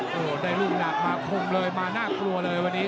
โอ้โหได้ลูกหนักมาคุมเลยมาน่ากลัวเลยวันนี้